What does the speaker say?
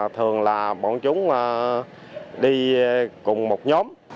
thường là bọn chúng đi cùng một nhóm